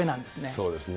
そうですね。